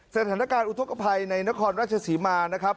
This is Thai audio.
สถานการณ์อุทธกภัยในนครราชศรีมานะครับ